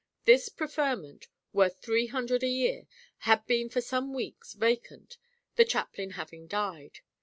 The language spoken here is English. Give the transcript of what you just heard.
This preferment, worth three hundred a year, had been for some weeks vacant, the chaplain having died.